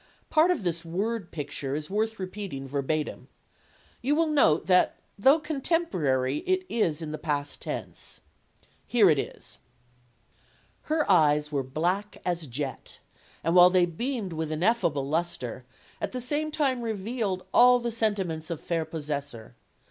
Part of this word picture is worth repeating verbatim. You 48 STORIES OF THE SUPER WOMEN will note that, though contemporary, it is in the past tense. Here it is: Her eyes were black as jet, and, while they teamed with ineffable luster, at the same time revealed all the sentiments of fair possessor.